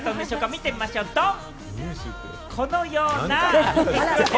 見てみましょう、どん！